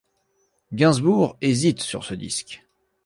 Gainsbourg hésite sur ce disque.